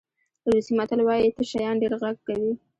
روسي متل وایي تش شیان ډېر غږ کوي.